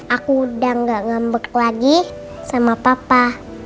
aku udah gak ngambek lagi sama papa